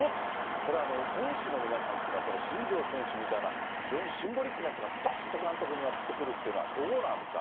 これ選手の皆さんというのは、新庄選手みたいな、非常にシンボリックな人がどーんと監督にやってくるっていうのはどうなんですか。